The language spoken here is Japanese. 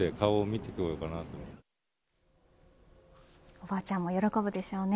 おばあちゃんも喜ぶでしょうね